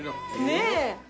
ねえ。